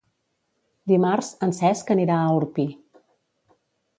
Dimarts en Cesc anirà a Orpí.